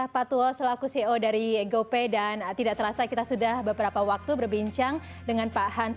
pak tuwo selaku ceo dari gopay dan tidak terasa kita sudah beberapa waktu berbincang dengan pak hans